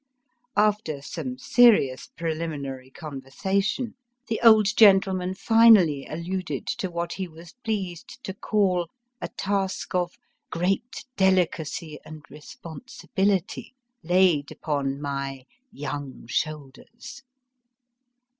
After some serious preliminary conversation, the old gentleman finally alluded to what he was pleased to call a task of great delicacy and responsibility laid upon my young shoulders.